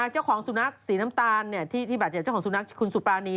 เจ้าของสุนัขสีน้ำตาลที่บาดเจ็บเจ้าของสุนัขคุณสุปรานี